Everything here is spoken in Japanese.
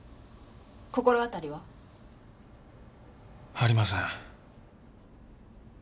心当たりは？ありません。